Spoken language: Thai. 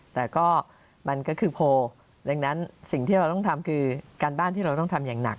แต่ก็มันก็คือโพลดังนั้นสิ่งที่เราต้องทำคือการบ้านที่เราต้องทำอย่างหนัก